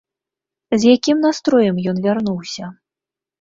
З якім настроем ён вярнуўся?